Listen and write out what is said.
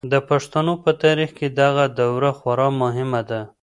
د پښتنو په تاریخ کې دغه دوره خورا مهمه ده.